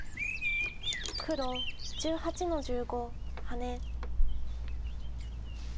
黒１８の十五ハネ。